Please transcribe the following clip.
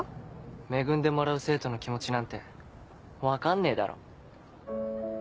恵んでもらう生徒の気持ちなんて分かんねえだろ。